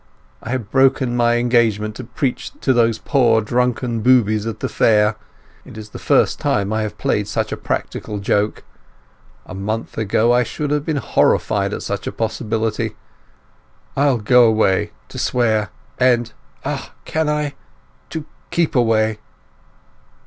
"I have broken my engagement to preach to those poor drunken boobies at the fair—it is the first time I have played such a practical joke. A month ago I should have been horrified at such a possibility. I'll go away—to swear—and—ah, can I! to keep away."